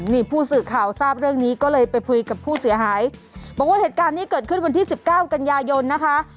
นี่ผู้สื่อข่าวทราบเรื่องนี้ก็เลยไปคุยกับผู้เสียหายบอกว่าเหตุการณ์นี้เกิดขึ้นวันที่สิบเก้ากันยายนนะคะ